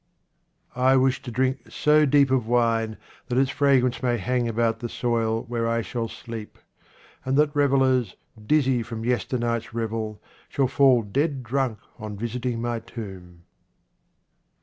I WISH to drink so deep of wine that its fra grance may hang about the soil where I shall sleep, and that revellers, dizzy from yester night's revel, shall fall dead drunk on visiting my tomb.